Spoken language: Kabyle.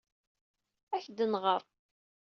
Ad ak-d-nɣer.